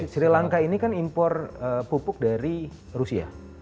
sri lanka ini kan impor pupuk dari rusia